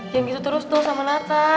yang gitu terus tuh sama nata